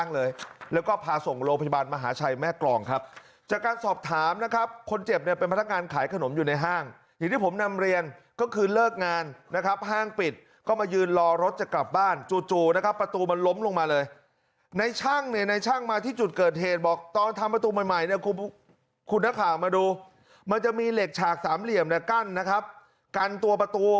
เลยแล้วก็พาส่งโรงพยาบาลมหาชัยแม่กรองครับจากการสอบถามนะครับคนเจ็บเนี่ยเป็นพนักงานขายขนมอยู่ในห้างอย่างที่ผมนำเรียนก็คือเลิกงานนะครับห้างปิดก็มายืนรอรถจะกลับบ้านจู่จู่นะครับประตูมันล้มลงมาเลยในช่างเนี่ยในช่างมาที่จุดเกิดเหตุบอกตอนทำประตูใหม่ใหม่เนี่ยคุณนักข่าวมาดูมันจะมีเหล็กฉากสามเหลี่ยมเนี่ยกั้นนะครับกันตัวประตู